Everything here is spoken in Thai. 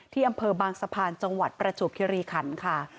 อำเภอบางสะพานจังหวัดประจวบคิริขันค่ะ